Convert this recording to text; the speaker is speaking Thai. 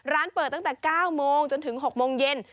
ร้านเปิดตั้งแต่๙โมงจนถึง๖โมงเย็น